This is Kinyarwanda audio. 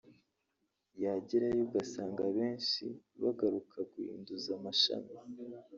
yagerayo ugasanga abenshi bagaruka guhinduza amashami